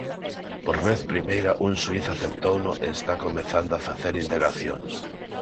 Por vez primeira un xuíz aceptouno e está comezando a facer indagacións.